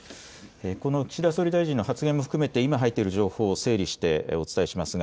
この岸田総理大臣の発言も含めて今、入っている情報を整理してお伝えします。